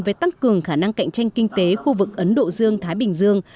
với tăng cường khả năng cạnh tranh kinh tế khu vực ấn độ dương thái bình dương